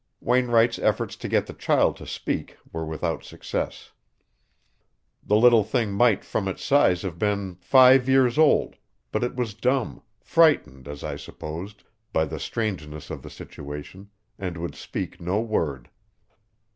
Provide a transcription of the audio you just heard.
Wainwright's efforts to get the child to speak were without success. The little thing might from its size have been five years old, but it was dumb frightened, as I supposed, by the strangeness of the situation, and would speak no word.